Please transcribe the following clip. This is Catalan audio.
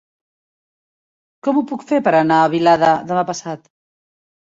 Com ho puc fer per anar a Vilada demà passat?